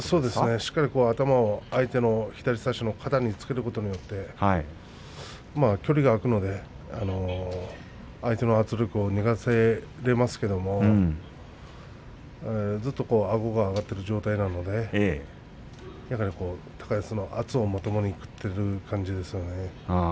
しっかり頭を相手の左差しの肩につけることによって距離が空くので、相手の圧力を逃がすことができますけどずっとあごが上がっている状態なので高安の圧をまともに食っている感じですよね。